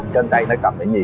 trên tay nó cầm cái gì